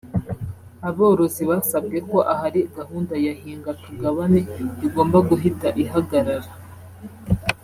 Aborozi basabwe ko ahari gahunda ya hingatugabane igomba guhita ihagarara